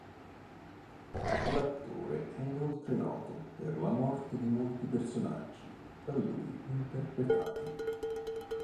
L'attore è inoltre noto per la morte di molti personaggi da lui interpretati.